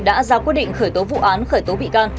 đã ra quyết định khởi tố vụ án khởi tố bị can